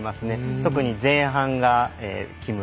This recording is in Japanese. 特に前半が木村。